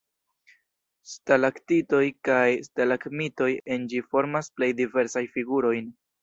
Stalaktitoj kaj stalagmitoj en ĝi formas plej diversajn figurojn.